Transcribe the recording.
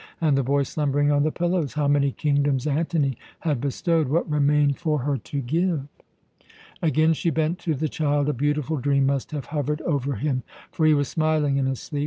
And the boy slumbering on the pillows? How many kingdoms Antony had bestowed! What remained for her to give? Again she bent to the child. A beautiful dream must have hovered over him, for he was smiling in his sleep.